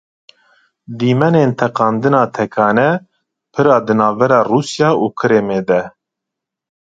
Dîmenên teqandina tekane pira di navbera Rûsya û Kirimê de.